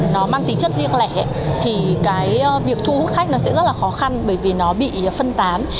nó mang tính chất riêng lẻ thì cái việc thu hút khách nó sẽ rất là khó khăn bởi vì nó bị phân tán